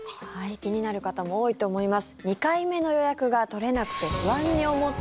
気になる方も多いと思います。